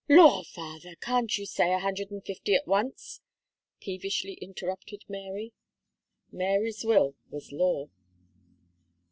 "Law! father, can't you say a hundred and fifty at once," peevishly interrupted Mary. Mary's will was law.